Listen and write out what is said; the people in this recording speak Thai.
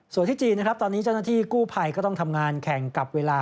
ส่วนที่จีนนะครับตอนนี้เจ้าหน้าที่กู้ภัยก็ต้องทำงานแข่งกับเวลา